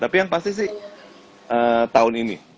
tapi yang pasti sih tahun ini